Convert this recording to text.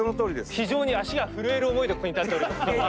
非常に足が震える思いでここに立っております。